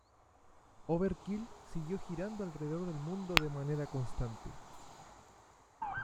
Overkill siguió girando alrededor del mundo de manera constante.